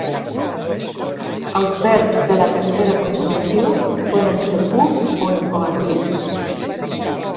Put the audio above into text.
Els verbs de la tercera conjugació poden ser purs o incoatius.